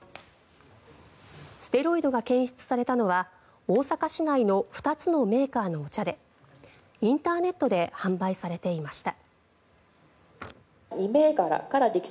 ステロイドが検出されたのは大阪市内の２つのメーカーのお茶でインターネットで販売されていました。